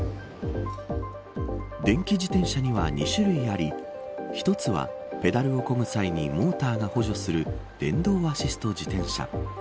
電気自転車には２種類あり１つは、ペダルをこぐ際にモーターが補助する電動アシスト自転車。